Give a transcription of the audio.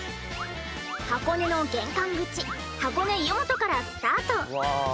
箱根の玄関口箱根湯本からスタート。